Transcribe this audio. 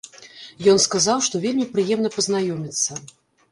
Ён сказаў, што вельмі прыемна пазнаёміцца.